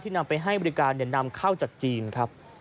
นำไปให้บริการนำเข้าจากจีนครับ